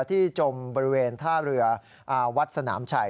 จมบริเวณท่าเรือวัดสนามชัย